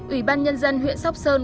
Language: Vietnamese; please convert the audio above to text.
ủy ban nhân dân huyện sóc sơn